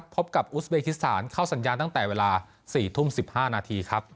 พบกับอุสเบคิสถานเข้าสัญญาณตั้งแต่เวลา๔ทุ่ม๑๕นาทีครับ